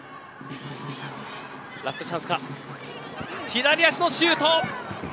左足のシュート。